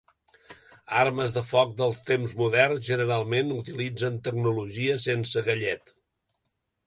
Armes de foc dels temps moderns generalment utilitzen tecnologia sense gallet.